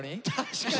確かに！